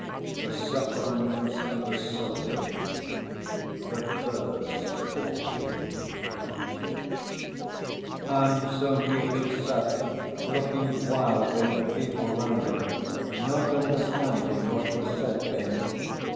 The Sufferings Of A Soul, The First Ordeal And so Mitya sat looking wildly at the people round him, not understanding what was said to him.